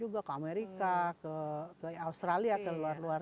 juga ke amerika ke australia ke luar luar